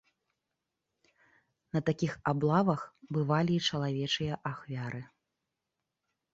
На такіх аблавах бывалі і чалавечыя ахвяры.